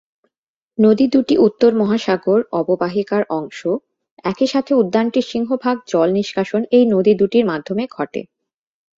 নদী দুটি উত্তর মহাসাগর অববাহিকার অংশ, একই সাথে উদ্যানটির সিংহভাগ জল নিষ্কাশন এই নদী দুটির মাধ্যমে ঘটে।